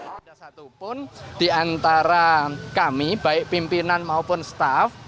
ada satu pun di antara kami baik pimpinan maupun staff